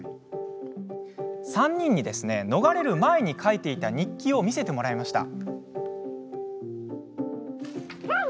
３人に、逃れる前に書いていた日記を見せてもらいました。